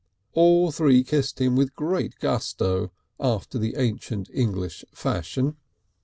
All three kissed him with great gusto after the ancient English fashion.